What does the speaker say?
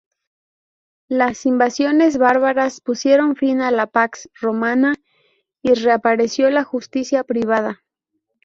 Las invasiones bárbaras pusieron fin a la pax romana y reapareció la justicia privada.